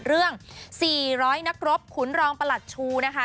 เรื่อง๔๐๐นักรบขุนรองประหลัดชูนะคะ